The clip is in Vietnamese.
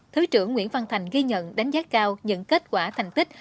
thứ trưởng nguyễn văn thành ghi nhận đánh giá cao những kết quả thành tích